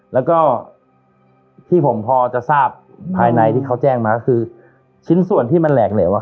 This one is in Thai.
แล้วก็ที่ผมพอจะทราบภายในที่เขาแจ้งมาก็คือชิ้นส่วนที่มันแหลกเหลว